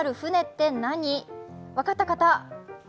分かった方！